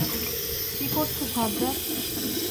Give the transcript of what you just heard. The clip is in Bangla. কী করছো সাজ্জাদ!